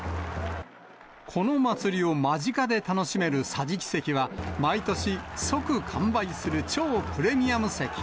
この祭りを間近で楽しめる桟敷席は、毎年、即完売する超プレミアム席。